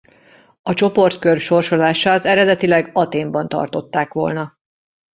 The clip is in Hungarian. A csoportkör sorsolását eredetileg Athénban tartották volna.